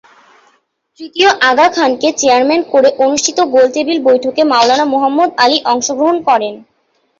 তৃতীয় আগা খানকে চেয়ারম্যান করে অনুষ্ঠিত গোলটেবিল বৈঠকে মাওলানা মুহাম্মদ আলি অংশগ্রহণ করেন।